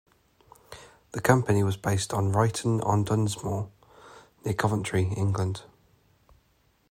The company was based in Ryton-on-Dunsmore, near Coventry, England.